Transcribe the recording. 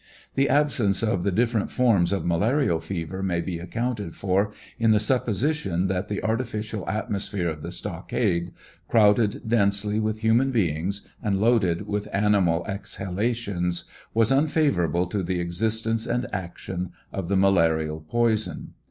The absence of the different forms of malarial fever may be accounted for in the supposition that the artificial atmosphere of the stockade, crowded densely with human beings and loaded with animal exhal ations, was unfavorable to the existence and action of the malarial poison.